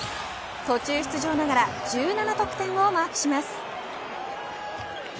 途中出場ながら１７得点をマークします。